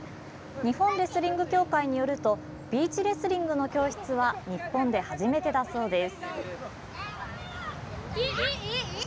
日本レスリング協会によるとビーチレスリングの教室は日本で初めてだそうです。